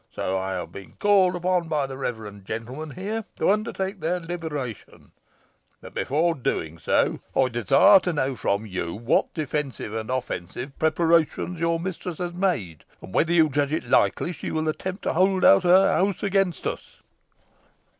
Now I have been called upon by the reverend gentleman here to undertake their liberation, but, before doing so, I desire to know from you what defensive and offensive preparations your mistress has made, and whether you judge it likely she will attempt to hold out her house against us?"